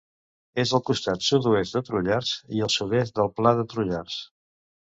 És al costat sud-oest de Trullars i al sud-est del pla de Trullars.